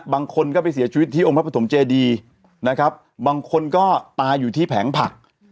บางคนก็ไปเสียชีวิตที่องค์พระปฐมเจดีนะครับบางคนก็ตายอยู่ที่แผงผัก